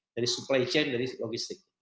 dari supply chain dari logistik